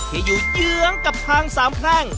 ที่อยู่เยื้องกับทางสามแพร่ง